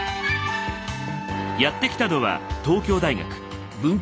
やって来たのは東京大学。